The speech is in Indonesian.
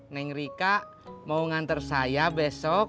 neng rika mau nganter saya besok